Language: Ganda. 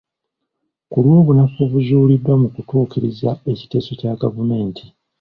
Ku lw'obunafu obuzuuliddwa mu kutuukiriza ekiteeso kya gavumenti.